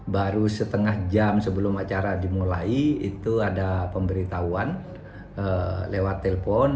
baru setengah jam sebelum acara dimulai itu ada pemberitahuan lewat telpon